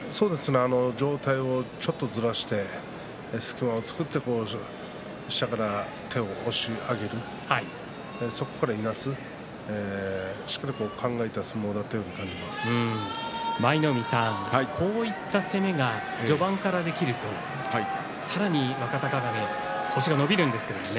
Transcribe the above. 上体をずらして隙間を作って、そこから手を押し上げるそこからいなせたしっかり考えた舞の海さん、こういう相撲が序盤からできるとさらに若隆景星が伸びるんですがね。